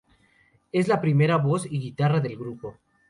Es la primera voz y guitarra del grupo.